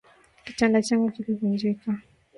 Kitanda changu kilivunjika